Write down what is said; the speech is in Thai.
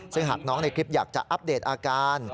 ซึ่งหากน้องในคลิปอยากจะอัปเดตอาการ